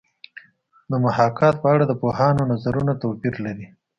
د محاکات په اړه د پوهانو نظرونه توپیر لري